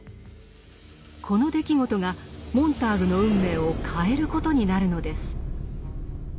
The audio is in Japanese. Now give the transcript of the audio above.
この出来事がモンターグの運命を変えることになるのです。